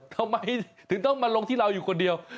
ทำไมถึงต้องมาลงที่เราอยู่คนเดียว